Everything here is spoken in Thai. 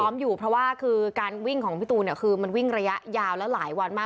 อยู่เพราะว่าคือการวิ่งของพี่ตูนเนี่ยคือมันวิ่งระยะยาวแล้วหลายวันมาก